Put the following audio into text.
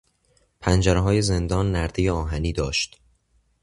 پنجرههای زندان نردهی آهنی داشت.